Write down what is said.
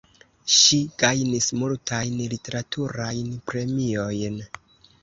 Ŝi gajnis multajn literaturajn premiojn.